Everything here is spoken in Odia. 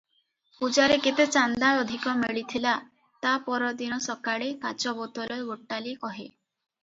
ପୂଜାରେ କେତେ ଚାନ୍ଦା ଅଧିକ ମିଳିଥିଲା ତା ପରଦିନ ସକାଳେ କାଚ ବୋତଲ ଗୋଟାଳି କହେ